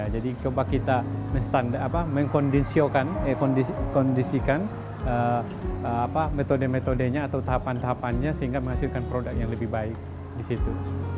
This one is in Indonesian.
jadi coba kita mengkondisiokan metode metodenya atau tahapan tahapannya sehingga menghasilkan produk yang lebih baik di situ